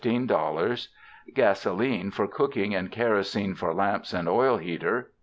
., i. $15.00 Gasoline for cooking, and kerosene for lamps and oil heater, 10.